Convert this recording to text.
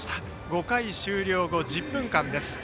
５回終了後、１０分間です。